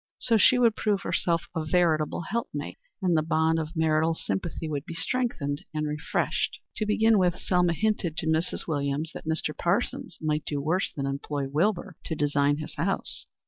So she would prove herself a veritable helpmate, and the bond of marital sympathy would be strengthened and refreshed. To begin with, Selma hinted to Mrs. Williams that Mr. Parsons might do worse than employ Wilbur to design his house.